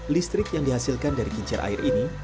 listrik yang dihasilkan dari kincir air ini